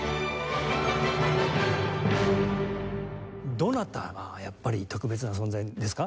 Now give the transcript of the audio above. どなたがやっぱり特別な存在ですか？